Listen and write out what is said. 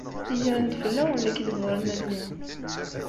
Gren-d fell-awen lekdeb ur nelli.